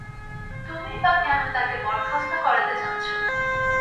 তুমিই বা কেনো তাকে বরখাস্ত করাতে চাচ্ছো?